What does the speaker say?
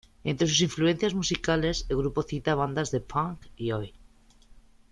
Entre sus influencias musicales, el grupo cita a bandas de punk y oi!.